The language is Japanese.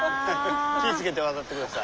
気ぃ付けて渡って下さい。